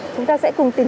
chúng ta sẽ cùng tìm hiểu